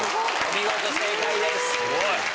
すごい！